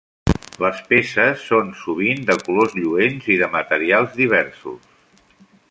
Les peces són sovint de colors lluents i de materials diversos.